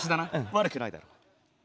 悪くないだろう。